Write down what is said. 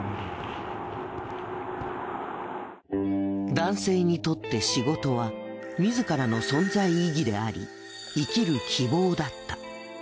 男性にとって仕事は自らの存在意義であり生きる希望だった。